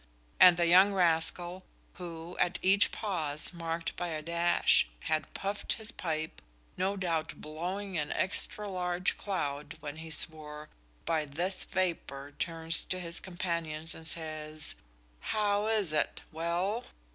'" And the young rascal, who at each pause marked by a dash had puffed his pipe, no doubt blowing an extra large "cloud" when he swore "by this vapour," turns to his companions and says: "How is't? Well?"